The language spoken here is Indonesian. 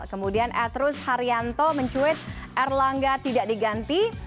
kemudian edrus haryanto mencuit erlangga tidak diganti